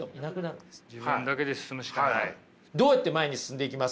どうやって前に進んでいきます？